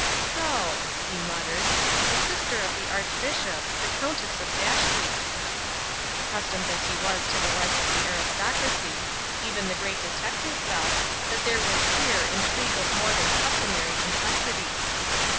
"So," he muttered, "the sister of the Archbishop, the Countess of Dashleigh!" Accustomed as he was to the life of the aristocracy, even the Great Detective felt that there was here intrigue of more than customary complexity.